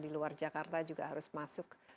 di luar jakarta juga harus masuk